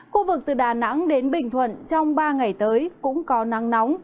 khu vực từ đà nẵng đến bình thuận trong ba ngày tới cũng có nắng nóng